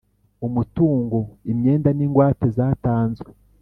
Umutungo Imyenda N Ingwate Zatanzwe